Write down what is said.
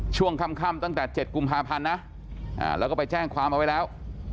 ช่วงค่ำตั้งแต่๗กุมภาพันธ์นะแล้วก็ไปแจ้งความเอาไว้แล้ว